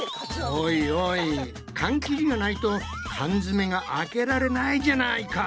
おいおい缶切りがないと缶詰が開けられないじゃないか！